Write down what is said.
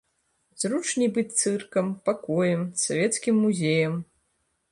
Зручней быць цыркам, пакоем, савецкім музеем.